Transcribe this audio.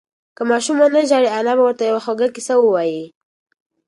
که ماشوم ونه ژاړي، انا به ورته یوه خوږه قصه ووایي.